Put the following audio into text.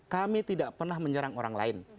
kami tidak pernah menyerang orang lain